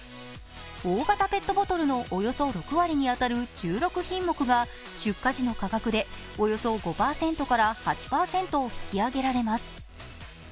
大型ペットボトルのおよそ６割に当たる１６品目が出荷時の価格でおよそ５％から８％引き上げられます。